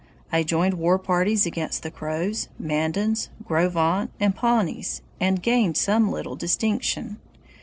I joined war parties against the Crows, Mandans, Gros Ventres, and Pawnees, and gained some little distinction.